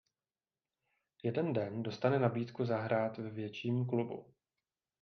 Jeden den dostane nabídku zahrát ve větším klubu.